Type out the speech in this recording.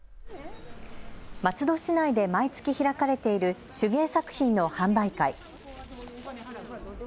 松戸市内で毎月開かれている手芸作品の販売会。